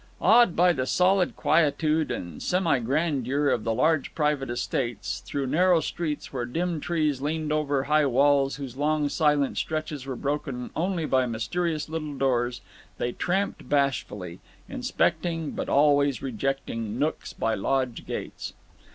Awed by the solid quietude and semigrandeur of the large private estates, through narrow streets where dim trees leaned over high walls whose long silent stretches were broken only by mysterious little doors, they tramped bashfully, inspecting, but always rejecting, nooks by lodge gates.